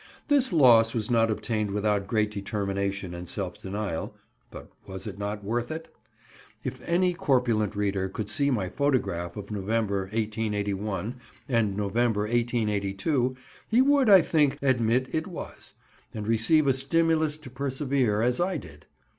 This loss was not obtained without great determination and self denial, but was it not worth it? If any corpulent reader could see my photograph of November, 1881, and November, 1882, he would, I think, admit it was, and receive a stimulus to persevere as I did.